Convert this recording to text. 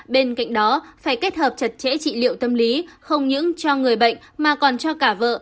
bên cạnh đó phải kết hợp chặt chẽ trị liệu tâm lý không những cho người bệnh mà còn cho cả vợ